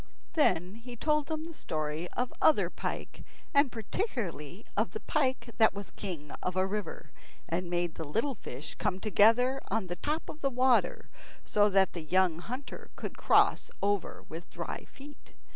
Then he told them the story of other pike, and particularly of the pike that was king of a river, and made the little fish come together on the top of the water so that the young hunter could cross over with dry feet.